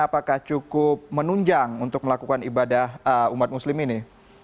apakah cukup menunjang untuk melakukan ibadah umat muslim ini